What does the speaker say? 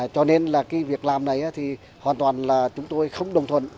cho nên là cái việc làm này thì hoàn toàn là chúng tôi không đồng thuận